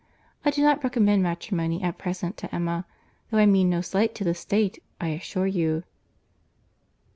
I do not recommend matrimony at present to Emma, though I mean no slight to the state, I assure you."